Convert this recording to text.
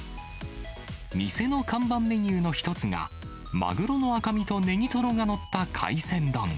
店の看板メニューの一つが、マグロの赤身とネギトロが載った海鮮丼。